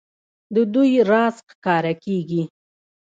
د دوی راز ښکاره کېږي.